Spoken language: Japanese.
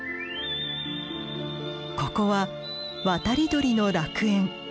ここは渡り鳥の楽園。